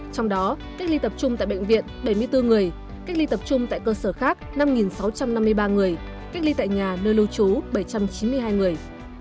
trong đó cách ly tập trung tại bệnh viện bảy mươi bốn người cách ly tập trung tại cơ sở khác năm sáu trăm năm mươi ba người cách ly tại nhà nơi lưu trú bảy trăm chín mươi hai người